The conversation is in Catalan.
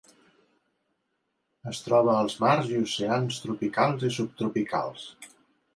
Es troba als mars i oceans tropicals i subtropicals.